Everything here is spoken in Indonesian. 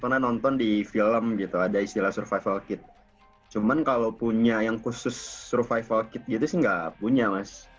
pernah nonton di film gitu ada istilah survival kit cuman kalau punya yang khusus survival kit gitu sih nggak punya mas